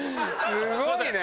すごいね！